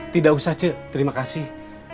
tidak usah cek terima kasih